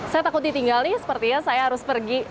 saya takut ditinggal nih sepertinya saya harus pergi